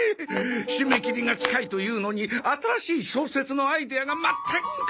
締め切りが近いというのに新しい小説のアイデアがまったく浮かばなくてな。